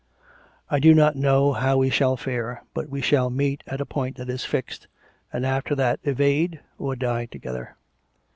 I do not know how we shall fare, but we shall meet at a point that is fixed, and after that evade or die together.